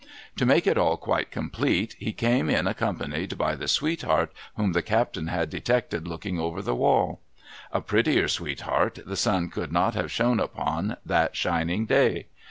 To make it all quite complete he came in accompanied by the sweetheart whom the captain had detected looking over the wall. A prettier sweetheart the sun could not have shone upon that shining day.